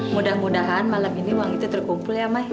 mudah mudahan malam ini uang itu terkumpul ya mas